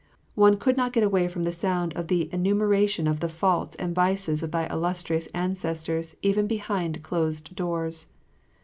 One could not get away from the sound of the enumeration of the faults and vices of thy illustrious ancestors even behind closed doors.